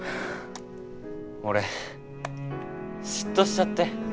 俺嫉妬しちゃって。